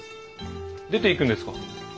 出ていくんですか？